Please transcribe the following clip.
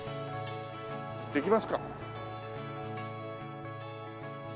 行きますか。